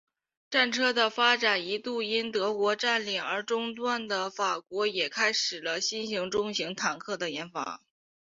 战车的发展一度因德国占领而中断的法国也开始了新型中型坦克的研发。